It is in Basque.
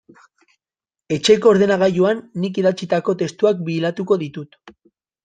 Etxeko ordenagailuan nik idatzitako testuak bilatuko ditut.